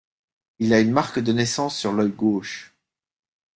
Il a une marque de naissance sur l’œil gauche.